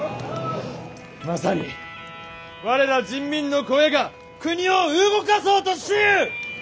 まさに我ら人民の声が国を動かそうとしゆう！